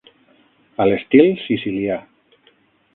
A l'estil sicilià